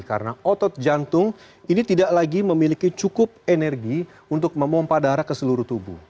karena otot jantung ini tidak lagi memiliki cukup energi untuk memompah darah ke seluruh tubuh